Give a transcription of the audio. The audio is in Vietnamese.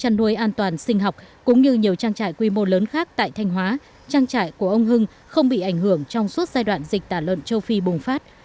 trong nuôi an toàn sinh học cũng như nhiều trang trại quy mô lớn khác tại thanh hóa trang trại của ông hưng không bị ảnh hưởng trong suốt giai đoạn dịch tả lợn châu phi bùng phát